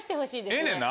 ええねんな？